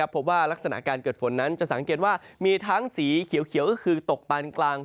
ลักษณะการเกิดฝนนั้นจะสังเกตว่ามีทั้งสีเขียวก็คือตกปานกลาง